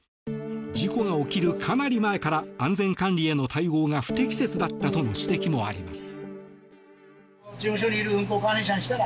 事故が起きるかなり前から安全管理への対応が不適切だったとの指摘もあります。